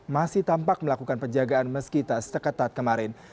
masih tampak melakukan penjagaan meskita setekat saat kemarin